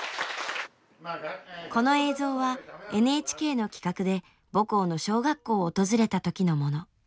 この映像はＮＨＫの企画で母校の小学校を訪れた時のもの。